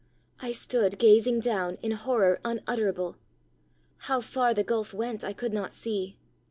I stood gazing down in horror unutterable. How far the gulf went I could not see.